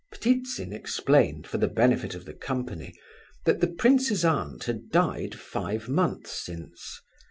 Ptitsin explained, for the benefit of the company, that the prince's aunt had died five months since.